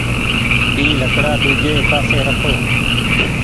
اي لڪڙآ ۮوجي پآسي رکو